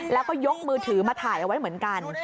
แล้วก็ยกมือถือมาถ่ายเอาไว้เหมือนกัน